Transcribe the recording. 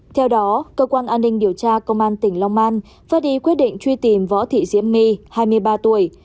theo đó cơ quan an ninh điều tra công an tỉnh long an phát đi quyết định truy tìm võ thị diễm my hai mươi ba tuổi